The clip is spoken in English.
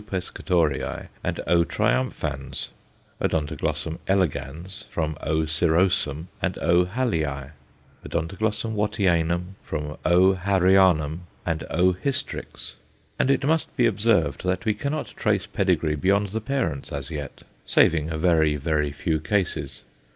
Pescatorei_ and O. triumphans, O. elegans from O. cirrhosum and O. Hallii, O. Wattianum from O. Harryanum and O. hystrix. And it must be observed that we cannot trace pedigree beyond the parents as yet, saving a very, very few cases.